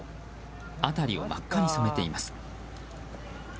辺りを真っ赤に染めています。